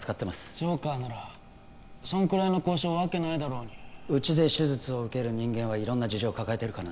ジョーカーならそんくらいの交渉わけないだろうにうちで手術を受ける人間は色んな事情を抱えてるからね